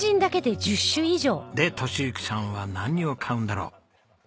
で敏之さんは何を買うんだろう？